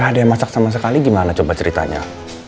gak ada yang masak sama sekali gimana coba ceritanya